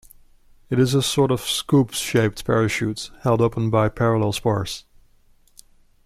It is a sort of scoop-shaped parachute, held open by parallel spars.